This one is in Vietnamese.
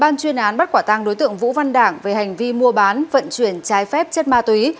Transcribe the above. ban chuyên án bắt quả tăng đối tượng vũ văn đảng về hành vi mua bán vận chuyển trái phép chất ma túy